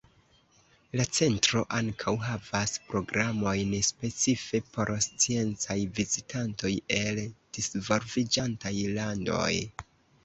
La centro ankaŭ havas programojn specife por sciencaj vizitantoj el divolviĝantaj landoj.